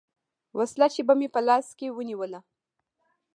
وسله چې به مې په لاس کښې ونېوله.